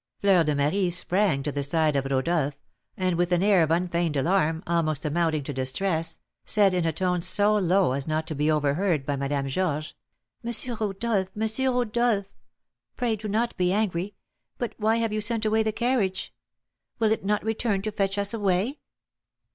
Fleur de Marie sprang to the side of Rodolph, and with an air of unfeigned alarm, almost amounting to distress, said, in a tone so low as not to be overheard by Madame Georges: "M. Rodolph! M. Rodolph! pray do not be angry, but why have you sent away the carriage? Will it not return to fetch us away?"